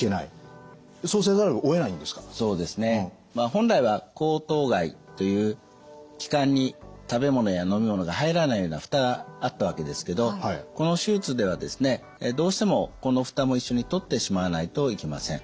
本来は喉頭蓋という気管に食べ物や飲み物が入らないような蓋があったわけですけどこの手術ではですねどうしてもこの蓋も一緒に取ってしまわないといけません。